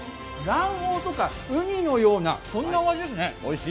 卵黄とかうにのような、そんなお味ですね。